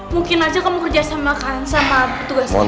mungkin aja kamu kerja sama kan sama tugasnya